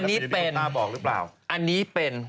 อันนี้เป็นอันนี้เป็น